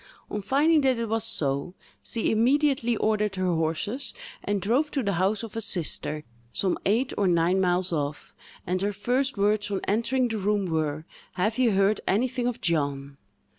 On finding that it was so, she immediately ordered her horses, and drove to the house of a sister, some eight or nine miles off, and her first words on entering the room were, "Have you heard anything of John?"